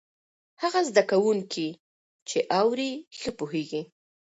هغه زده کوونکی چې اوري، ښه پوهېږي.